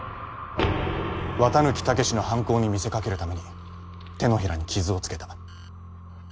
綿貫猛司の犯行に見せかけるために手のひらに傷を付けた。